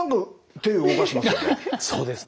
そうです。